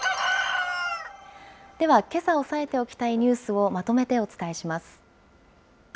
ではけさ押さえておきたいニュースをまとめてお伝えします。